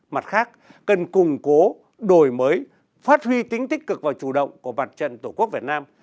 mặt khác cần củng cố đổi mới phát huy tính tích cực và chủ động của mặt trận tổ quốc việt nam